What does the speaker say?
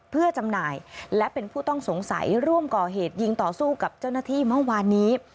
เพื่อจำหน่ายและเป็นผู้ต้องสงสัยร่วมก่อเหตุยิงต่อสู้กับเจ้าหน้าที่เมื่อวานนี้